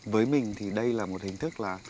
với mình thì đây là một hình thức là